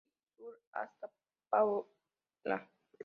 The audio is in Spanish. Dellepiane Sur hasta Pola.